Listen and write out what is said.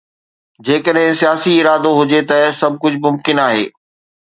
جيڪڏهن سياسي ارادو هجي ته سڀ ڪجهه ممڪن آهي.